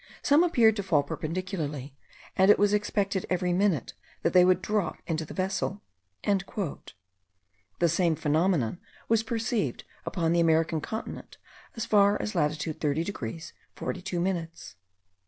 Some appeared to fall perpendicularly; and it was expected every minute that they would drop into the vessel." The same phenomenon was perceived upon the American continent as far as latitude 30 degrees 42 minutes.